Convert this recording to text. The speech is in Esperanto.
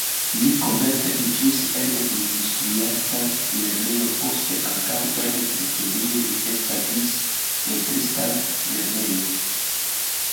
Li komence instruis en industriarta lernejo, poste ankaŭ en Pretorio li establis pentristan lernejon.